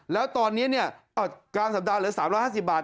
แล้วตอนนี้กลางสัปดาห์เหลือ๓๕๐บาท